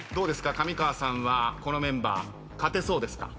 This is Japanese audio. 上川さんはこのメンバー勝てそうですか？